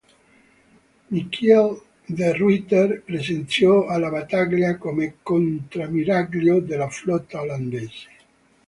Michiel de Ruyter presenziò alla battaglia come contrammiraglio della flotta olandese.